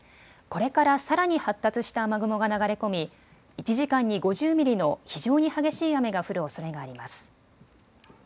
これからさらに発達した雨雲が流れ込み１時間に５０ミリの非常に激しい雨が降るおそれがあります。